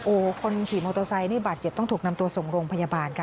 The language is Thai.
โอ้โหคนขี่มอเตอร์ไซค์นี่บาดเจ็บต้องถูกนำตัวส่งโรงพยาบาลค่ะ